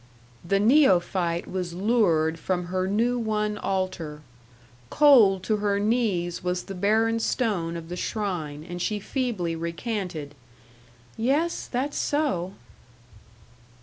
The neophyte was lured from her new won altar. Cold to her knees was the barren stone of the shrine; and she feebly recanted, "Yes, that's so."